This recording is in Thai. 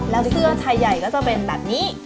แล้วเสื้อชายใหญ่ก็จะเป็นแบบนี้